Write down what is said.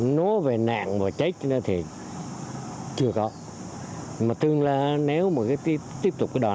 nó về nạn và chết nữa thì